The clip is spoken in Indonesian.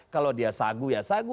kalau dia sagu ya sagu